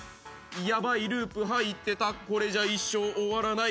ヤバいループ入ってたこれじゃ一生終わらない。